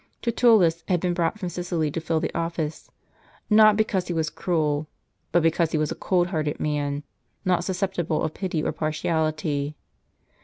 Tertullus had been brought from Sicily to fill the office, not because he was a cruel, but because he was a cold hearted, man, not susceptible of pity or partiality.